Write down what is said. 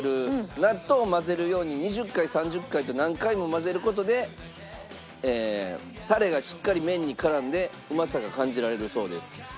納豆を混ぜるように２０回３０回と何回も混ぜる事でタレがしっかり麺に絡んでうまさが感じられるそうです。